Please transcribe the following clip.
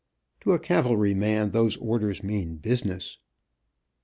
To a cavalry man these orders mean business.